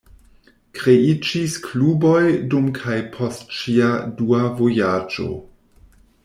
Kreiĝis kluboj dum kaj post ŝia dua vojaĝo.